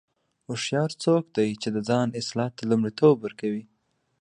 هوښیار څوک دی چې د ځان اصلاح ته لومړیتوب ورکوي.